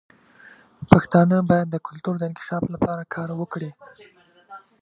پښتانه باید د کلتور د انکشاف لپاره کار وکړي.